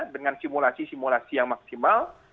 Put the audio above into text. dengan simulasi simulasi yang maksimal